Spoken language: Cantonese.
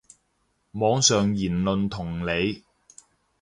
網上言論同理